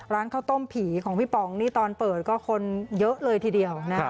ร้านข้าวต้มผีของพี่ป๋องนี่ตอนเปิดก็คนเยอะเลยทีเดียวนะ